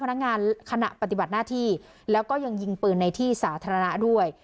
พนักงานขณะปฏิบัติหน้าที่แล้วก็ยังยิงปืนในที่สาธารณะด้วย